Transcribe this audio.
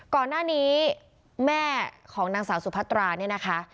ก่อนหน้านี้แม่ของนางสาวสุพัตราเนี่ยนะคะ